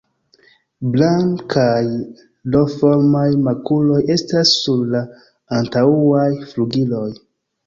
Blankaj L-formaj makuloj estas sur la antaŭaj flugiloj.